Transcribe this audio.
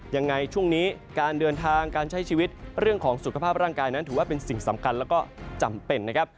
ยังไงช่วงนี้การเดินทางการใช้ชีวิตเรื่องของสุขภาพร่างกายนั้นถือว่าเป็นสิ่งสำคัญแล้วก็จำเป็นนะครับ